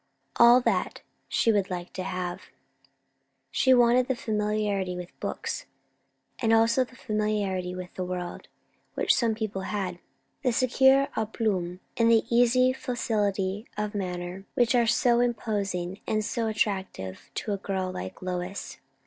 All that, she would like to have. She wanted the familiarity with books, and also the familiarity with the world, which some people had; the secure à plomb and the easy facility of manner which are so imposing and so attractive to a girl like Lois.